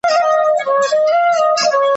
د ګوربت، باز او شاهین خبري مه کړئ